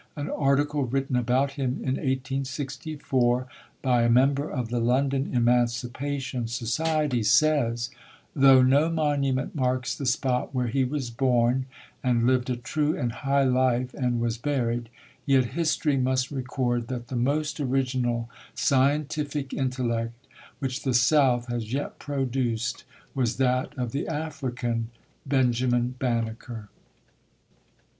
An article written about him in 1864 by a member of the London Emancipation So ciety says, "Though no monument marks the spot where he was born and lived a true and high life and was buried, yet history must record that the most original scientific intellect which the South has yet produced was that of the African, Ben jamin Banneker".